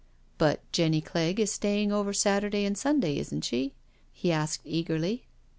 " But Jenny Clegg is staying over Saturday and Sunday, isn't she," he asked eagerly.